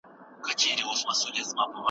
ورور مې وویل چې نن شپه به په کلي کې غونډه وي.